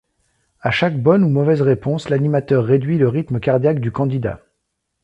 À chaque bonne ou mauvaise réponse l'animateur réduit le rythme cardiaque du candidat.